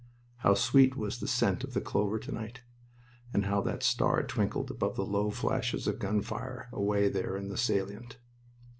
How sweet was the scent of the clover to night! And how that star twinkled above the low flashes of gun fire away there in the salient.